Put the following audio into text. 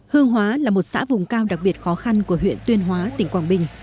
hương hóa là một xã vùng cao đặc biệt khó khăn của huyện tuyên hóa tỉnh quảng bình